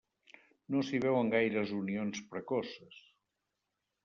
No s'hi veuen gaires unions precoces.